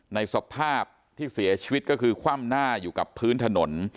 ในสภาพที่เสียชีวิตก็คือคว่ำหน้าอยู่กับพื้นถนน